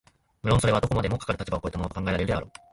無論それはどこまでもかかる立場を越えたものと考えられるであろう、